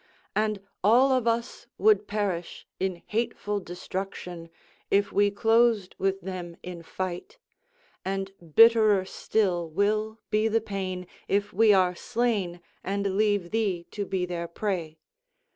And all of us would perish in hateful destruction, if we closed with them in fight; and bitterer still will be the pain, if we are slain and leave thee to be their prey.